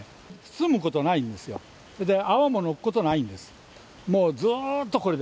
澄むことがないんですよ、それで泡もなくなることがないんです。